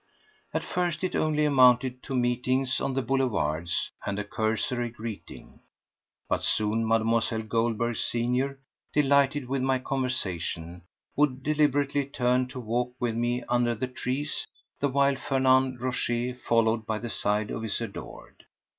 At first it only amounted to meetings on the boulevards and a cursory greeting, but soon Mlle. Goldberg senior, delighted with my conversation, would deliberately turn to walk with me under the trees the while Fernand Rochez followed by the side of his adored.